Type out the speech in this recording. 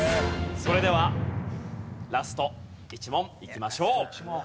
それではラスト１問いきましょう。